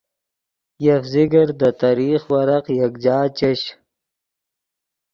یف ذکر دے تریخ ورق یکجا چش